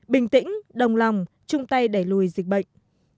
bình tĩnh đồng lòng chung tay đẩy lùi dịch bệnh